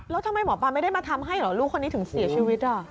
แล้วทำไมหมอปลาไม่ได้มาทำให้เหรอลูกคนนี้ถึงเสียชีวิต